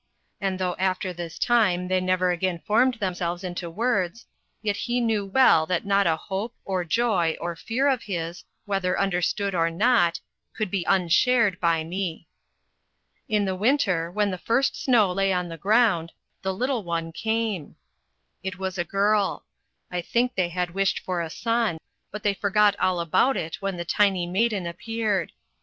And though after this time they never again formed themselves into words, yet he knew well that not a hope, or joy, or fear of his, whether understood or not, could be unshared by me. In the winter, when the first snow lay on the ground, the little one came. It was a girl I think they had wished for a son; but they forgot all about it when the tiny maiden appeared.